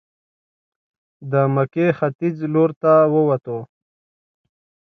د مکې ختیځ لورته ووتو.